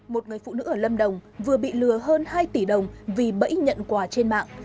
một người phụ nữ ở lâm đồng vừa bị lừa hơn hai tỷ đồng vì bẫy nhận quà trên mạng